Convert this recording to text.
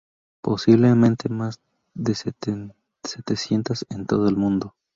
Posiblemente más de setecientas en todo el mundo.